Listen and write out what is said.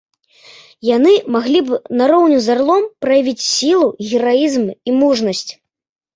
Яны маглі б, нароўні з арлом, праявіць сілу, гераізм і мужнасць.